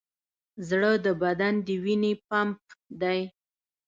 زړه د بدن د وینې پمپ دی.